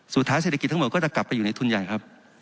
เศรษฐกิจทั้งหมดก็จะกลับไปอยู่ในทุนใหญ่ครับ